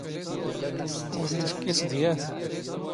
ⵓⵔ ⵏⵏ ⵜⴽⴽⵉⵙⴷ ⵢⴰⵜ.